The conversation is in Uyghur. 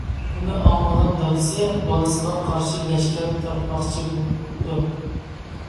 بۇنى ئاڭلىغان دادىسى بالىسىغا قارشى لەشكەر تارتماقچى بوپتۇ.